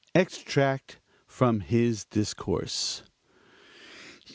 EXTRACT FROM HIS DISCOURSE